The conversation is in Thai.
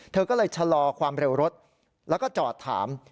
เธอก็เลยชะลอความเร็วรถแล้วก็จอดถาม